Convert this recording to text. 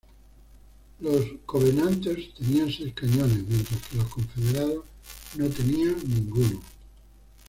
Los "Covenanters" tenían seis cañones, mientras que los "Confederados" no tenían ninguno.